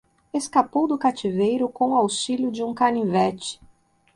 Escapou do cativeiro com auxílio de um canivete